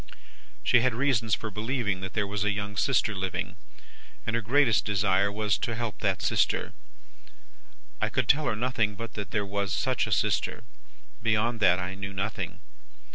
"She had reasons for believing that there was a young sister living, and her greatest desire was, to help that sister. I could tell her nothing but that there was such a sister; beyond that, I knew nothing.